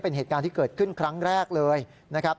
เป็นเหตุการณ์ที่เกิดขึ้นครั้งแรกเลยนะครับ